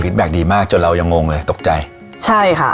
แก๊คดีมากจนเรายังงงเลยตกใจใช่ค่ะ